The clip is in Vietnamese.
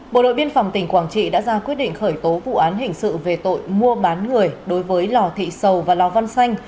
bộ đội biên phòng tỉnh quảng trị đã ra quyết định khởi tố vụ án hình sự về tội mua bán người đối với lò thị sầu và lò văn xanh